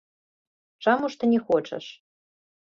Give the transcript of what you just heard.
Чаму ж ты не хочаш?